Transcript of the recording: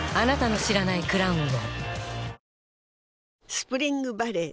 スプリングバレー